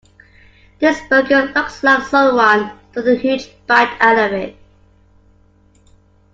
This burger looks like someone took a huge bite out of it.